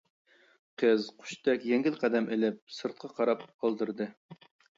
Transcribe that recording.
قىز قۇشتەك يەڭگىل قەدەم ئېلىپ، سىرتقا قاراپ ئالدىرىدى.